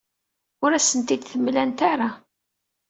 Ur asen-ten-id-mlant ara.